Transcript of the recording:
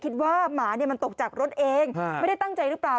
หมาเนี่ยมันตกจากรถเองไม่ได้ตั้งใจหรือเปล่า